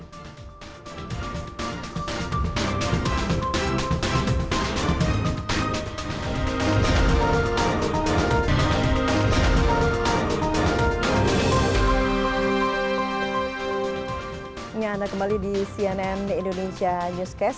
segera kembali di cnn indonesia newscast